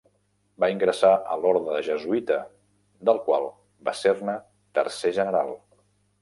Va ingressar a l'orde jesuïta, del qual va ser-ne tercer general.